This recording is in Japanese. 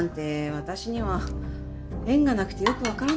私には縁がなくてよく分からないけど。